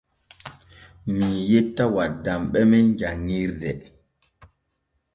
Mii yetta waddamɓe men janŋirde.